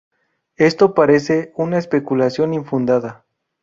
Esto parece una especulación infundada.